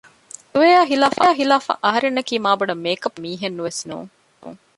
ޖުވޭއާ ހިލާފަށް އަހަރެންނަކީ މާބޮޑަށް މޭކަޕް ކޮށް އުޅޭ މީހެއް ނުވެސް ނޫން